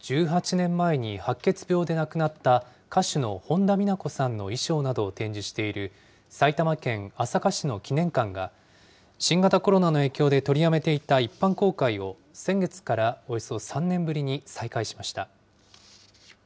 １８年前に白血病で亡くなった歌手の本田美奈子．さんの衣装などを展示している埼玉県朝霞市の記念館が、新型コロナの影響で取りやめていた一般公開を、先月からおよそ３年ぶりに再開しました。